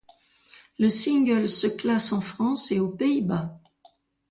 Le single se classe en France et aux Pays-Bas.